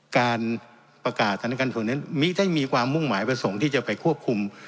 การประกาศสถานการณ์ส่วนนั้นมิท่านมีความมุ่งหมายประสงค์ที่จะไปควบคุม